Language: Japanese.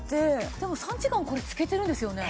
でも３時間これ浸けてるんですよね？